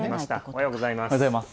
おはようございます。